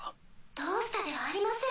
どうしたではありません。